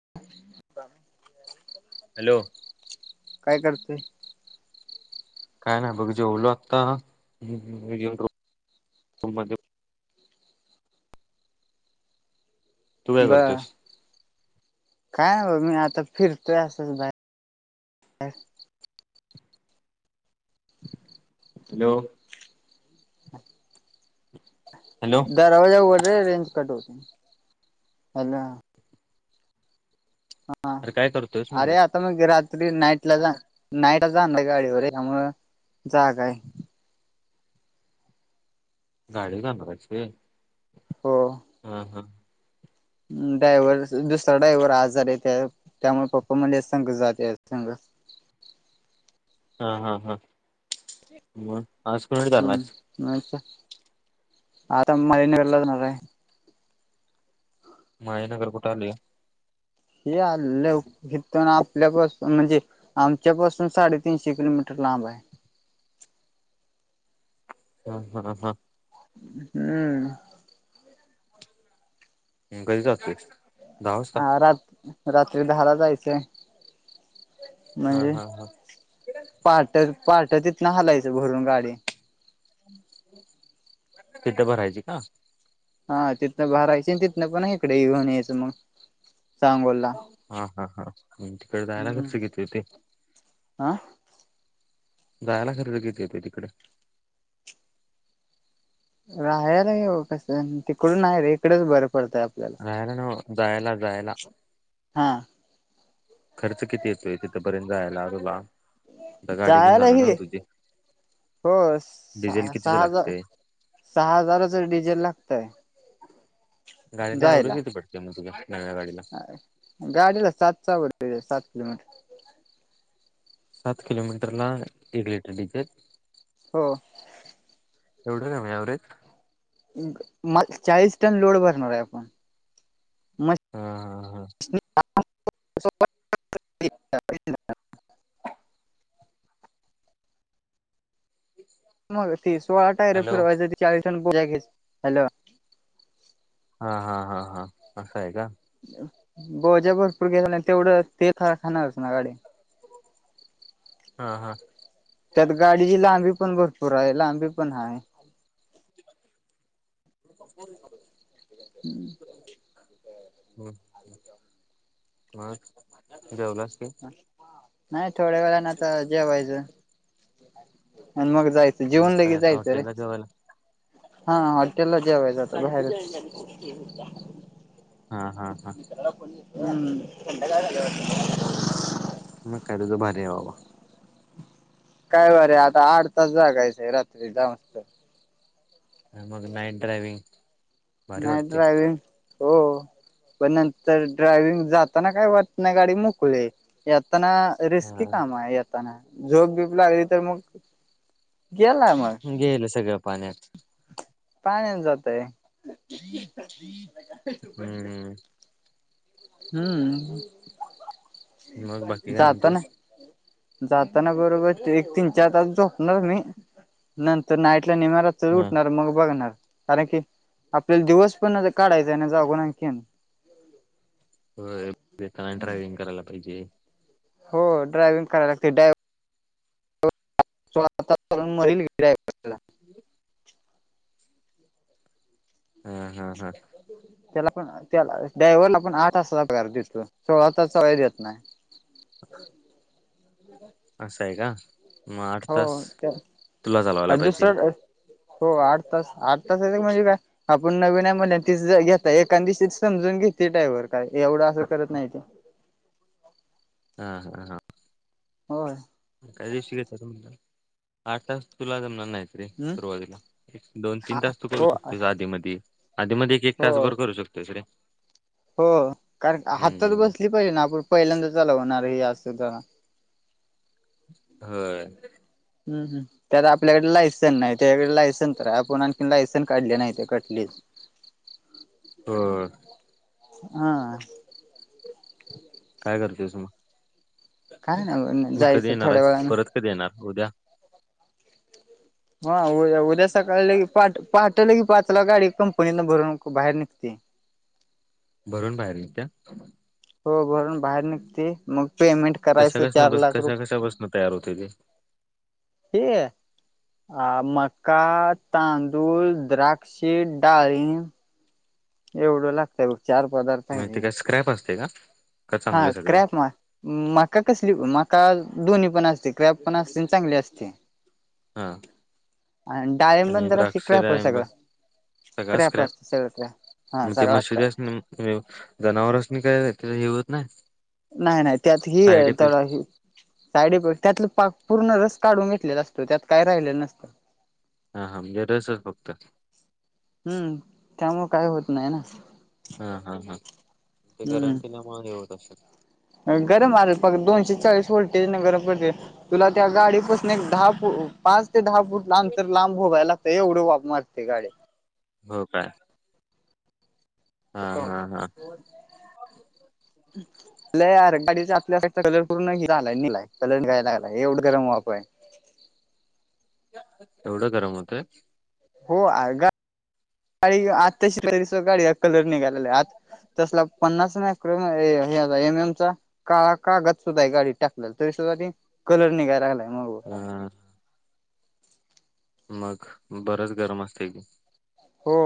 प. [unintelligible] हॅलो. काय करते. काय नाही बघ जेवलो आता रू मध्ये. तू काय ब. करतोस? काय ब मी आता फिरतोय असच बाई. हॅलो. हॅलो दरवाजा उघड रे रेंज कटवते हला. हा अरे काय करतोयस म्हटलं अरे आता मग गराात. तरी नाईटला जा नाईटला जा गाडीवर त्यामुळं जागा हाय. गाडीन जाणार हाईस व्हय? हो हा हा. ड्रायव्हर दुसरा ड्राय्हवर आार आहे त्या त्यामुळे पप्पा मला संग जाते सांग. हा हा हा म. हम्म म आता माने नगर ला जा हाय. मायनगर कुठे आल हे? हे आलं आपल्यापस म्हणजे. आमच्या पाासून साडेतीनशे किलोमीटर लांब आहे. हा हा हा. हम्म. कधी जातोयस? दहा वाजता अ रात रात्री दहाला जायचं. नाही हा रे हा हा पहाट, पहाट हलायचं भरून गाडी तिथ बरायची का? हा तिथनं भारायची तिथनं पण इकडे येऊन यायचं मग चांगोला. हा हा हा म तिकडे जायला खर्च किती येते? आह? जायला खर्च किती येते तिकड? राहार आहे कस तिकडून हायवे कडेच बरं पडतय. राहायला न्हव जायला जायला. हा खर्च किती येतोय तिथंपर्यंत जायला अरबा, आता गाडी घेऊन जायला जाणार ना हे तुझी? हो स डिझेल कितीच सहा हजार लागतय? सहा हजाराच डीझेल लागतय. गाडीला आवरेज जायला येते पटकन मग. नव्या गाडीला? गाडीला सात चावड सात किलोमीटर. सात किलोमीटर ला एक लिटर डिझेल हो. एवढं कमी ऍव्हरेज चाळीस टन लोड भरणार आहे आपण. मग हा हा हा. ठीक. मग ती सोळा टायरे फिरवायच चाळीस जण पोेच हॅलो. हा हा हा हा असं आहे का? भोज भरपूर गेला तेवढं तेथ खाणारच ना गाडी. हा हा. त्यात गाडीची लांबी पण भरपूर आहे लांबी पण आहे. [unintelligible] हम्म. हम हा जेवलास. की नाही थोड्या वेळाना तर जेवायचं. आणि मग जायचं मग जेवन काय लगे आता जायचं रे हॉटेलला जेवायला हा हॉटेल ला जेवायच आत्ता बाहेर. हा हा हा हम्. [unintelligible] मग काय तुज भारी आहे बाबा काय बरे आता आठ तास जागायच रात्री जा मस्त. मग नाईट ड्रायविंग. नाईट ड्रायवि्हंग हो हो. पण नंतर ड्रायविंग जाताना काय वाटना गाडी मोकळे येताना. रिस्की हा काम आहे येताना झोप बिप लागली तर मग गेला मग गेलं सगळं पाण्यात. पाण्यान जातय हम्म हम्म मग बाकी काय जात ना. म्हणतोस जाताना बरोबर एक तीन चार तास झोपणार मी. नंतर नाईटला निम्म्या रात्री हा उठणार मग बघणार कारण की आपल्याला दिवस पण काढायचा आहे ना जागो आणखीन. [inaudible] होताना बेतान ड्रायव्हिंग करायला पाहिजे हो ड्रायविंग कराय लागते डायव स्ातावरण मरील गेय. ह. [unintelligible] त्याला पण त्याला डायव्हरला पण आठ तासाचा पगार देतोय सोळा तासचा काय देत नाही असं आहे का. मग आठ हो तास त्या तुला चालवायला पाहिजे दुसरं हो आठ तास आठ तास येत म्हणजे काय आपण नवीन आहे म्हणल्या तीच घेतता एखादशी समजून घेते डायवर काय एवढं असं करत नाही ते हा, हा, हा होय एका दिवशी ये त्यात म्हणल्यावर आठ तास तुला जमणार नाहीत रे हम्म सुरवातीला दोन, तीन तास तू करू हो शकतोस आधी म आधी मध्ये एक, एक हो तास भर करू शकतोयस रे हो कारण हातात हम्म बसली पाहिजे ना आपण पहिल्यांदा चालवणार ह आज सुद्धा होय हम्, हम् त्यात आपल्याकडे लायसन नाही त्याच्याकडे लायसन तर आहे आपण आणखी लायसन काढले नाही ते कटलीच [inaudible] हो हा. काय करतस मग काय ना मग कधी जायचं येणार थोड्या आहेस वेळाने परत कधी येणार उद्या ह उद्या उद्या सकाळी लगी पहाट पहाट लगी पाचला गाडी कंपनीतनं भरून बाहेर निघते. भरून बाहेर इत्या हो भरून बाहेर निघते मग पेमेंट कशा करायचं कशा चार बस लाख कशा रुप कशा बसन तयार होते ते हे अ मका, तांदूळ, द्राक्ष, डाळीम एवढं लागतय चार पदार्थ आहे रे क्रॅप असते का का हा चांगलं सगळं क्रॅप म मका कसली मका दोन्ही पण असते क्रॅप पण असते आणि चांगली असती हा डाळिंबण आणि जरा असते द्राक्ष, क्रॅप डाळिंब सगळं सगळा क्रॅप स्क्रॅप असतं सगळं क्रॅप हा मग त्या सगळा क्रॅप [unintelligible] जनावर अस नाही काय ते हे होत नाही नाही नाही त्यात ही साईड इफेक्ट तडाकी साईड इफेक्ट त्यात पाक पूर्ण रस काढून घेतलेला असतो त्यात काय राहिलेलं नसतं हा, हा हम रसच फक्त हम्म त्यामुळे काही होत नाही ना हा, हा, हा ते गरम हम्म केल्यामुळे हे होत असलं गरम आले प दोनशे चाळीस व्होल्टेज ना गरम करते तुला त्या गाडीपासून एक दहा फूट पाच ते दहा फूट लांब अंतर लांब ववायला लागत एवढी वाफ मारते गाडी हो काय. हा, हा, हा हम्. लई यार गाडीचा आपल्या असाचा कलर पूर्ण झालायलाय कलर घायला लागला एवढं गरम वापय एवढं गरम होतंय हो आ गाडी आताशी [unintelligible] गाडीचा कलर निघालेला आत तसला पन्नास नाही एम एमचा काळा कागद सुद्धा हाय गाडीत टाकल्याला, तरी सुद्धा ती कलर निघाय लागलाय मागून. हा. मग बरंच गरम असते की हो.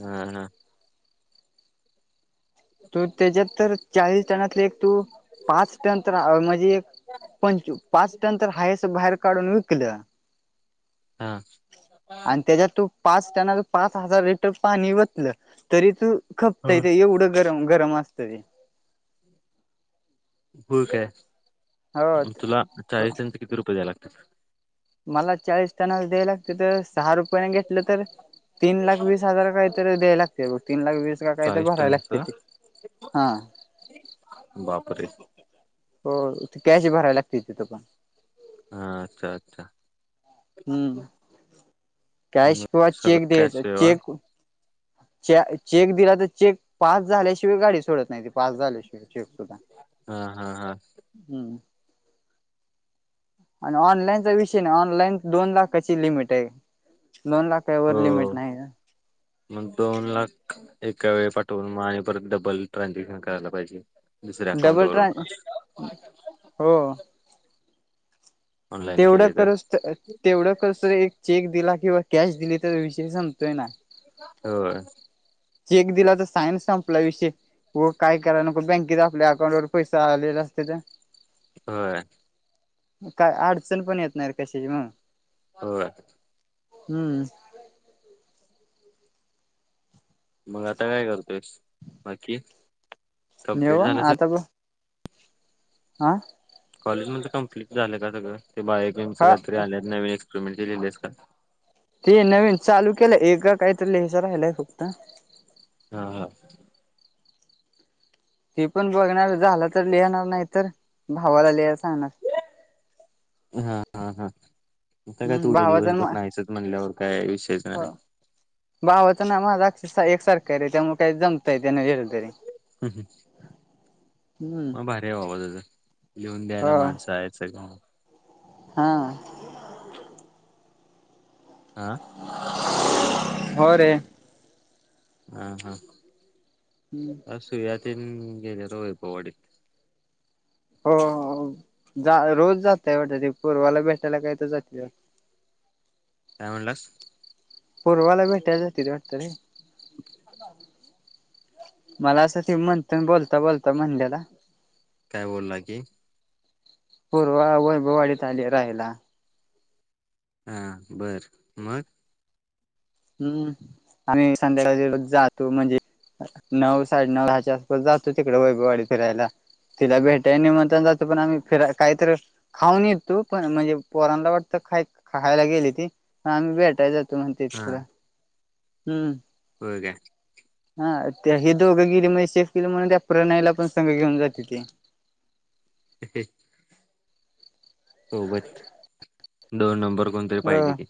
हा ना. तू त्याच्यात तर चाळीस टनातले, एक तू पाच टन तर म्हणजे एक पंचू, पाच टन तर हायच, बाहेर काढून विकलं. हा. आणि त्याच्यात तू पाच त्यांना पाच हजार लिटर पाणी वतलं तरी तू खपतय ह ते, एवढं गरम गरम असतं ते. हो काय हो तुला चाळीस त्यांनते किती रुपये द्या लाग [unintelligible] मला चाळीस त्यांनाला द्याय लागते तर. सहा रुपयाने घेतलं तर, तीन लाख वीस हजार काय सगळंच द्यायला लागत्यात तीन लाख बीस. त्याला काहीतर चाळीस भराय टनचं लागत्याती, हा. बापरे हो कॅश भरावी लागते तिथं पण. हा अच्छा अच्छा. हम्म कॅश मग किवा सगळं चेक कॅश द्यायचा, व्यवहार चेक च्या चेक दिला तर चेक पास झाल्याशिवाय गाडी सोडत नाही ते पास झाल्याशिवाय चेक सुद्धा हा हा हा हम्म. आणि ऑनलाईनचा विषय नाही ऑनलाईन दोन लाखाची लिमिट आहे दोन लाख त्यावर हो लिमिट नाही ना. मग दोन लाख एका वेळी पाठवून मग आणि परत डबल ट्रांजेक्शन करायला पाहिजे. दुसऱ्या अकाउंट डबल वरून ट्रां हो. ऑनलाईन तेवढं केले करूस तर, तेवढं करूस तर एक चेक दिला किंवा कॅश दिली तर विषय समतोय ना. होय. चेक दिला तर सायन्स संपला विषय हो काय करा नको, बँकेत आपल्या अकाउंट वर पैसे आलेले असत्यालं होय. काय अडचण पण येत नाही रे कशाची मग. होय. हम्म. मग आता काय करतोयस बाकी. नाही कंप्लीट झालं सगळं बाबा आता का. आं. कॉलेज म्हणच कमप्लीट झालं का सगळं? ते बायो ते हा [unintelligible] थ्री आल्यात नवे एक्सपेरिमेंट ते लिहिलेस का? ते नवीन चालू केलंय एक काहीतरी लिहायचं राहिलाय फक्त. हा हा. ते पण बघणार झाला तर लिहणार, नाही तर भावाला लिहायला सांगणार. हा हा हा आता काय हम्म तू उद्या भावाचा दिवसभर नाहीसच, म्हणल्यावर काय विशेष हो भावाचा आणि माझा अक्षर एकसारखं हायरे, त्यामुळे जमतं. ताई त्यांना. नाही [unintelligible] मग भारी हाय बाबा तुझं, लिहून द्यायला हो माणसं हायत सगळं हा. आं हो रे. हा हा. हम्म. आज सुव्या तेन गेल्यात वैभववाडीत. हो जा रोज जातय वाटते त्या पूर्वाला भेटायला काही तर जात्या. काय म्हणलास? पूर्वाला भेटायला जातेत वाटते रे मला असं ते म्हणतं बोलता-बोलता म्हणलेला. काय बोलला की? पूर्वा वैभवाडीत आलीय राहायला हा बरं मग. हम्म आम्ही संध्याकाळी जातो म्हणजे नऊ साडेनऊ दहाच्या आसपास जातो तिकडे वैभवाडी फिरायला तिला भेटाय आणि मग तन जाती पण आम्ही फिराय काही तर खाऊन ये तू पण म्हणजे पोरांला वाटतं खाय खायला गेली ती. आम्ही भेटायला जातो म्हणते हा [unintelligible] हम्म. होय का? हा त्या हे दोघं गेले म्हणजी सेफ केले म्हण त्या प्रणायला पण संघ घेऊन जाते ती सोबत दोन नंबर कोणतरी पाहिजे हो कि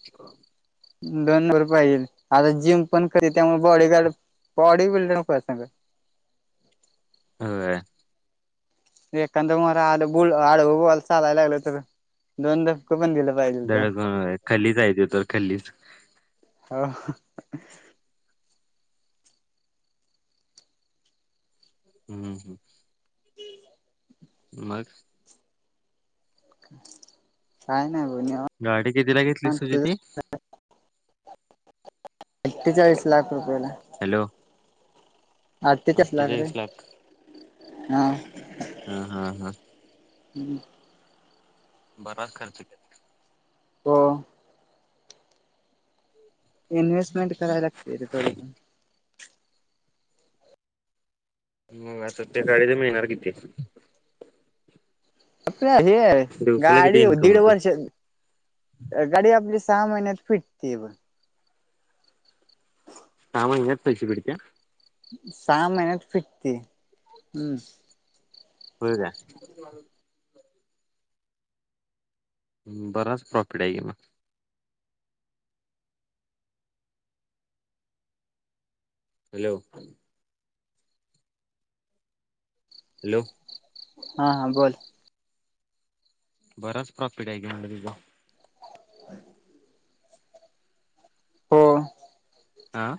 दोन वर पाहिजेल आता जिम पण करी त्यामुळे बॉडीगार्ड बॉडी बिल्डर सांगा. होय एखांदा मार आला बुळ आडवॉल चालायला लागलं तरी दोनदा दड [unintelligible] खल्ली ज्याचं तर खल्लीच आ हा. हम्म हम्म. [inaudible] मग काय नाय हो निवा गाडी कितीला घेतलीस तुझी ती? अठ्ठे चाळीस लाख रुपयाेला. हॅलो. आत ते चस लागरे अठ्ठेचाळीस लाख हा. हा हा हा. हम्म. बराच खर्च केलं. हो. इन्व्हेस्टमेंट कराय लागते ते थोडंतेन. म आ ते डायरी मिळणार कि ते आपल्या हे आहे दिवसाला किती गाडी हो इन्कम दीड होत वर्ष गाडी आपली सहा महिन्यात फिटते ब. म्हणजे पैशे बिडत्या साहा महिन्यात फिटती हम्म होय का? बराच प्रॉफिट आहे की मग हॅलो. हॅलो. हा हा बोल. बराच प्रॉफिट आहे की म्हणलं तुझं. [inaudible] हो हां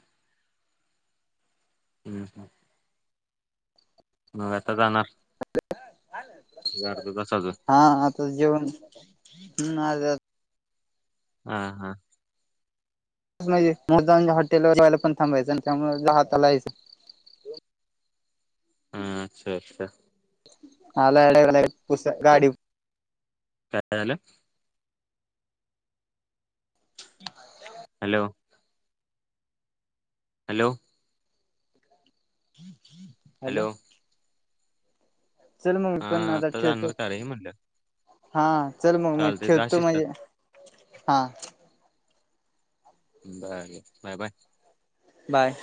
[unintelligible] मगआता जाणार? अर्धा तास अजून हा आता जेवण ह आ हा, हा म्हणजे मुद्दामून हॉटेलवर यायला पण थांबायच आणि त्यामुळे ज हातालायचं हा अच्छा, अच्छा आला गाडी काय झालं? [unintelligible] हॅलो हॅलो हॅलो चल मग मी हा पण आता ठेवतो जाणार का रे म्हणलं हा चल मग मी चालतंय जा ठेवतो शिस्तात म्हणजे हा बर, बर बाय, बाय बाय